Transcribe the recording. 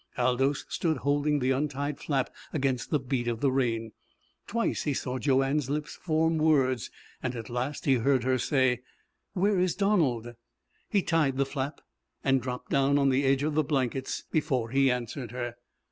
Aldous stood holding the untied flap against the beat of the rain. Twice he saw Joanne's lips form words. At last he heard her say: "Where is Donald?" He tied the flap, and dropped down on the edge of the blankets before he answered her.